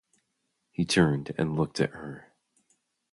He turned and looked at her.